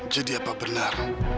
jadi apa benar